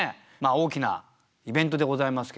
大きなイベントでございますけどもね。